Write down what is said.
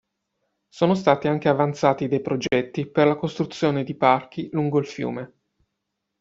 Sono stati anche avanzati dei progetti per la costruzione di parchi lungo il fiume.